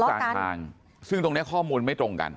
หิงกลางทางซึ่งข้อมูลไม่ตรงกัน